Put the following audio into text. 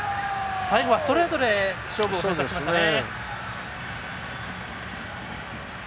最後はストレートで勝負していきましたね。